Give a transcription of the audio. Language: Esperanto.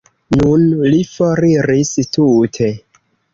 Nun li foriris tute.